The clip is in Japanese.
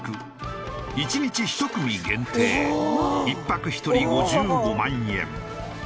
１泊１人５５万円。